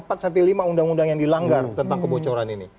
ada beberapa undang undang yang dilanggar tentang kebocoran ini